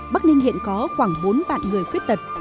bắc ninh hiện có khoảng bốn vạn người khuyết tật